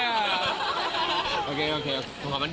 โอเคโอเคเพราะวันเกิดที่พวกเฮียให้มีใครให้เรายมั้ง